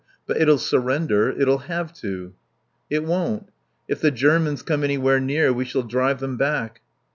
"But it'll surrender. It'll have to." "It won't. If the Germans come anywhere near we shall drive them back."